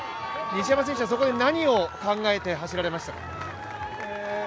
西山選手はそこで何を考えて走られましたか。